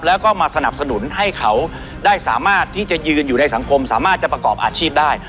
แล้วก็มาสนับสนุนให้เขาได้สามารถที่จะยืนอยู่ในสังคมสามารถจะประกอบอาชีพได้